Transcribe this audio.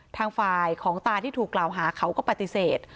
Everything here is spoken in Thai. ทางฝ่ายของตาที่ถูกกล่าวหาเขาก็ปฏิเสธ